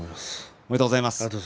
おめでとうございます。